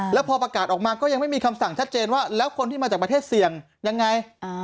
แล้วพอประกาศออกมาก็ยังไม่มีคำสั่งชัดเจนว่าแล้วคนที่มาจากประเทศเสี่ยงยังไง